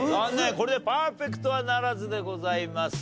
これでパーフェクトはならずでございます。